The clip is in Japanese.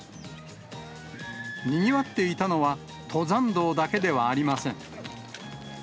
にぎわっていたのは、登山道だけではありません。